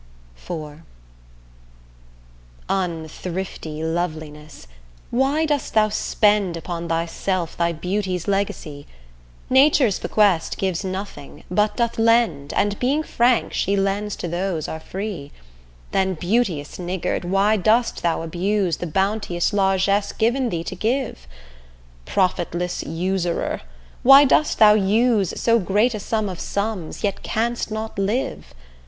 IV Unthrifty loveliness, why dost thou spend Upon thyself thy beauty's legacy? Nature's bequest gives nothing, but doth lend, And being frank she lends to those are free: Then, beauteous niggard, why dost thou abuse The bounteous largess given thee to give? Profitless usurer, why dost thou use So great a sum of sums, yet canst not live?